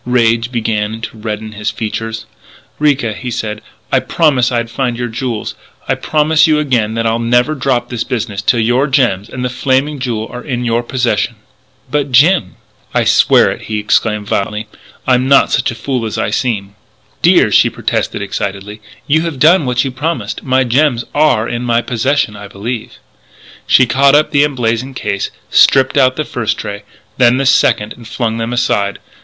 Rage began to redden his features. "Ricca," he said, "I promised I'd find your jewels.... I promise you again that I'll never drop this business until your gems and the Flaming Jewel are in your possession " "But, Jim " "I swear it!" he exclaimed violently. "I'm not such a stupid fool as I seem " "Dear!" she protested excitedly, "you have done what you promised. My gems are in my possession I believe " She caught up the emblazoned case, stripped out the first tray, then the second, and flung them aside.